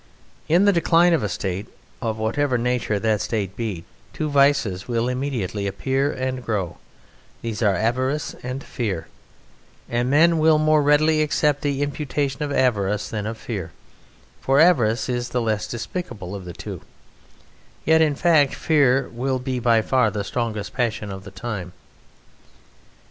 In the decline of a State, of whatever nature that State be, two vices will immediately appear and grow: these are Avarice and Fear; and men will more readily accept the imputation of Avarice than of Fear, for Avarice is the less despicable of the two yet in fact Fear will be by far the strongest passion of the time.